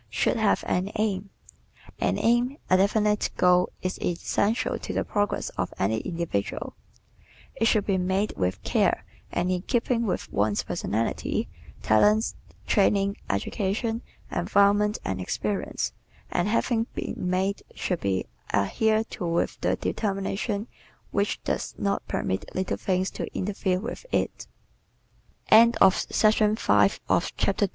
Should Have an Aim ¶ An aim, a definite goal is essential to the progress of any individual. It should be made with care and in keeping with one's personality, talents, training, education, environment and experience, and having been made should be adhered to with the determination which does not permit little things to interfere with i